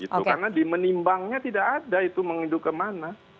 karena di menimbangnya tidak ada itu menginduk kemana